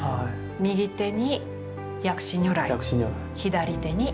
右手に薬師如来左手に千手観音。